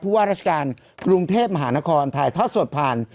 ผู้ว่ารัชการกรุงเทพหมาธุ์นครไทยท็อตสวดผ่าน